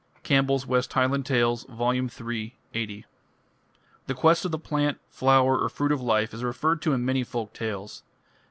Campbell's West Highland Tales, vol. iii, 80. The quest of the plant, flower, or fruit of life is referred to in many folk tales.